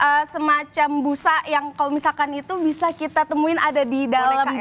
ada semacam busa yang kalau misalkan itu bisa kita temuin ada di dalam